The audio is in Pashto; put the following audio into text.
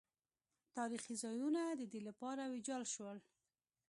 تاریخي ځایونه د دې لپاره ویجاړ شول.